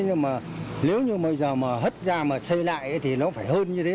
nhưng mà nếu như bây giờ mà hất ra mà xây lại thì nó phải hơn như thế